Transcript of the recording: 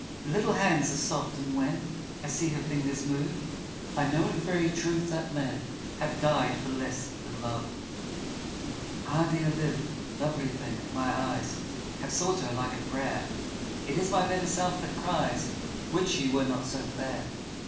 Her little hands are soft, and when I see her fingers move I know in very truth that men Have died for less than love. ANY LOVER, ANY LASS Ah, dear, live, lovely thing! my eyes Have sought her like a prayer ; It is my better self that cries " Would she were not so fair